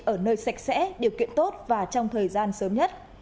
ở nơi sạch sẽ điều kiện tốt và trong thời gian sớm nhất